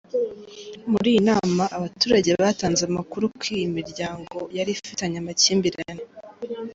Muri iyi nama abaturage batanze amakuru ko iyi miryango yari ifitanye amakimbirane.